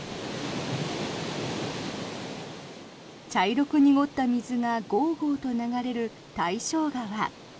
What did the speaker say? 茶色く濁った水がごうごうと流れる大正川。